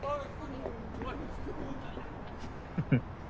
フフッ。